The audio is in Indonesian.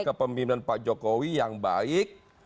ke pemimpinan pak jokowi yang baik